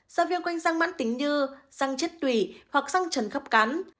do viêm quanh răng mãn tính như răng chết tủy hoặc răng trần khắp cắn